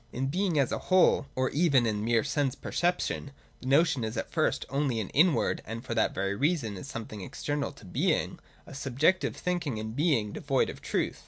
In Being as a whole, or even in mere sense perception, the notion is at first only an inward, and for that very reason is something external to Being, a subjective thinking and being, devoid of truth.